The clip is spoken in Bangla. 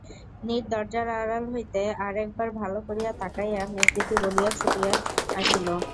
নীর দরজার আড়াল হইতে আর-একবার ভালো করিয়া তাকাইয়া মেজদিদি বলিয়া ছুটিয়া আসিল।